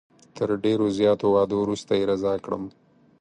تر ډېرو زیاتو وعدو وروسته یې رضا کړم.